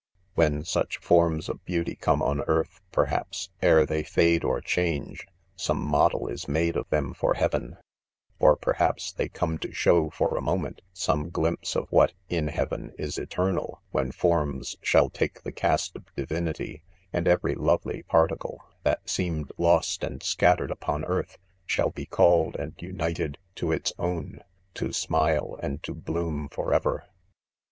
, j ' 4 When suekfor na&of beauty come on earth, perhaps, ere they fade or change, some :model is made of them, for lie'aven. Or ' perhaps, they f3 .126 IDOME N. <some to show for a moment, some glimpse of what, in heaven, is eternal,. when forms shall take the cast of divinity, and every lovely par ticle, that seemed lost and scattered upon earth, shall he called and united to its own, to smile and to bloom forever.